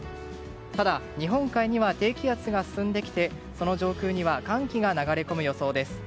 ただ、日本海には低気圧が進んできてその上空には寒気が流れ込む予想です。